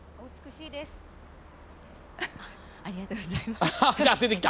ありがとうございます。